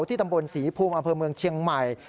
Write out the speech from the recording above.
ตำบลศรีภูมิอำเภอเมืองเชียงใหม่